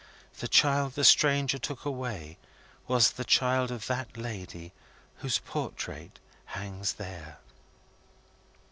The child the stranger took away was the child of that lady whose portrait hangs there!"